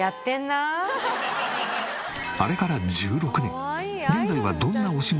あれから１６年。